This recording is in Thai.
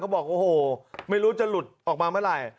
บอกโอ้โหไม่รู้จะหลุดออกมาเมื่อไหร่